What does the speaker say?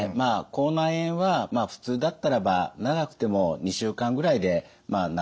口内炎はふつうだったらば長くても２週間ぐらいで治ると思います。